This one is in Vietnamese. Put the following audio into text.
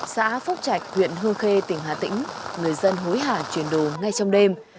xã phúc trạch huyện hương khê tỉnh hà tĩnh người dân hối hả chuyển đồ ngay trong đêm